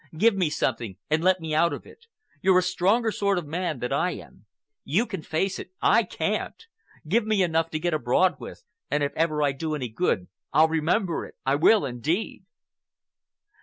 Give me something and let me out of it. You're a stronger sort of man than I am. You can face it,—I can't! Give me enough to get abroad with, and if ever I do any good I'll remember it, I will indeed."